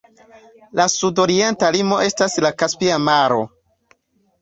La sudorienta limo estas la Kaspia Maro.